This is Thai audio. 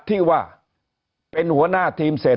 หนี้ครัวเรือนก็คือชาวบ้านเราเป็นหนี้มากกว่าทุกยุคที่ผ่านมาครับ